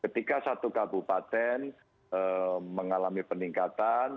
tentu kabupaten mengalami peningkatan